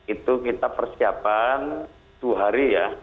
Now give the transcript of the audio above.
itu kita persiapan dua hari ya